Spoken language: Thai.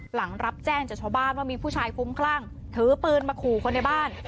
หลังรับแจ้งจากชาวบ้านว่ามีผู้ชายคุ้มคลั่งถือปืนมาขู่คนในบ้าน